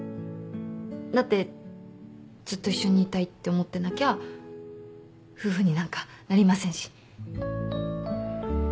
だってずっと一緒にいたいって思ってなきゃ夫婦になんかなりませんし。